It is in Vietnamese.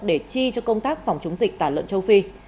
để chi cho công tác phòng chống dịch tả lợn châu phi